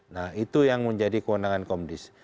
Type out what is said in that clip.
nah itu yang menjadi kewenangan komdis